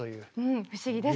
不思議ですね。